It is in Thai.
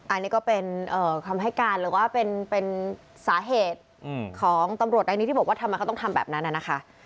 อันนี้ก็เป็นคำให้การหรือว่าเป็นสาเหตุของตำรวจในนี้ที่บอกว่าทำไมเขาต้องทำแบบนั้นนะคะ